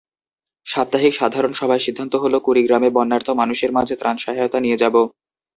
সাপ্তাহিক সাধারণ সভায় সিদ্ধান্ত হলো, কুড়িগ্রামে বন্যার্ত মানুষের মাঝে ত্রাণসহায়তা নিয়ে যাব।